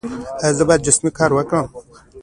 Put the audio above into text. ایا زه باید جسمي کار وکړم؟